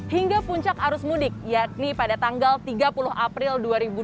hingga puncak arus mudik yakni pada tanggal tiga puluh april dua ribu dua puluh